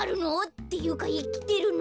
っていうかいきてるの？